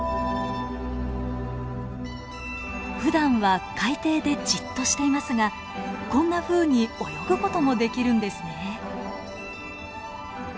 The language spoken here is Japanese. ふだんは海底でじっとしていますがこんなふうに泳ぐ事もできるんですね。